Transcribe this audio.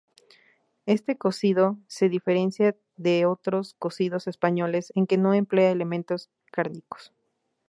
Este cocido se diferencia de otros cocidos españoles en que no emplea elementos cárnicos.